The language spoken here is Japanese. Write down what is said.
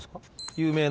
有名な。